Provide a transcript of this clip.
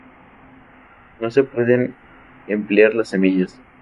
No se pueden emplear las semillas.